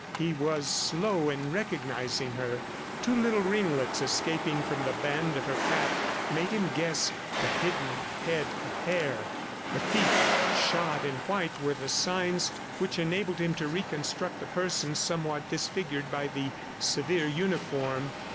He was slow in recognizing her. Two little ringlets escaping from the band of her cap made him guess the hidden head of hair; the feet shod in white were the signs which enabled him to reconstruct the person somewhat disfigured by the severe uniform.